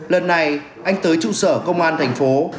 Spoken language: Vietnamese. lần này anh tới trụ sở công an thành phố